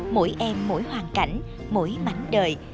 mỗi em mỗi hoàn cảnh mỗi mảnh đời